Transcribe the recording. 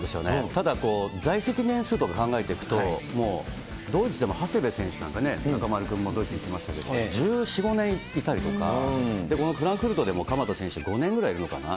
ただ、在籍年数とか考えていくと、もうドイツでも長谷部選手なんかね、中丸君もドイツに行ってましたけど、１４、５年行ってたりとか、このフランクフルトでも鎌田選手、５年ぐらいいるのかな。